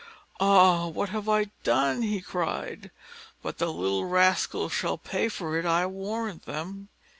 "Ah! what have I done?" he cried; "but the little rascals shall pay for it, I warrant them."